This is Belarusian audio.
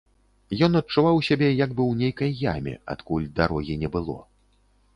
Ён адчуваў сябе як бы ў нейкай яме, адкуль дарогі не было.